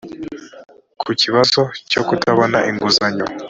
ku kibazo cyo kutabona inguzanyo